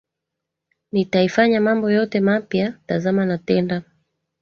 Nitaifanya mambo yote mapya, tazama natenda